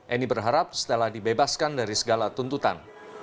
annie berharap stella dibebaskan dari segala tuntutan